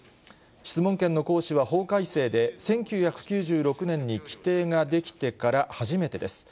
質問権の行使は、法改正で１９９６年に規定が出来てから初めてです。